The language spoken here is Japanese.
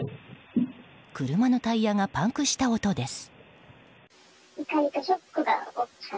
車のタイヤがパンクした音です。